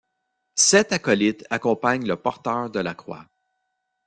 Sept acolytes accompagnent le porteur de la croix.